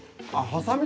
はさみ。